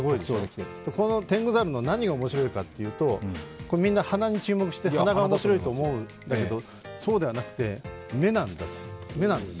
このテングザルの何が面白いかというとみんな鼻に注目して鼻が面白いと思うんだけどそうではなくて、目なんです。